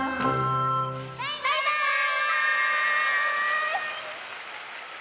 バイバーイ！